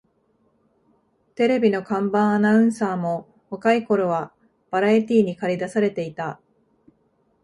テレビの看板アナウンサーも若い頃はバラエティーにかり出されていた